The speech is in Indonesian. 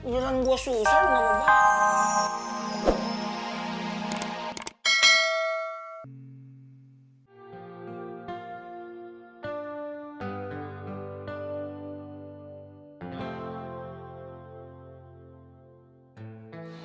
jangan gua susah lu gak mau